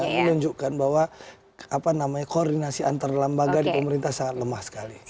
yang menunjukkan bahwa koordinasi antar lembaga di pemerintah sangat lemah sekali